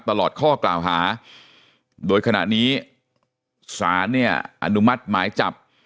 ตลอดข้อกล่าวหาโดยขณะนี้ศาลเนี่ยอนุมัติหมายจับ